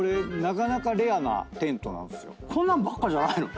こんなんばっかじゃないの？